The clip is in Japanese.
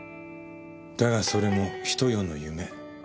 だがそれも一夜の夢。